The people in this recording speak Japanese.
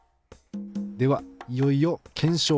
ではいよいよ検証開始。